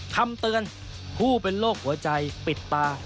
คำเตือนผู้เป็นโรคหัวใจปิดตา